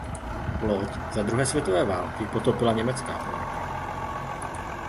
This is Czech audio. Loď za druhé světové války potopila německá ponorka.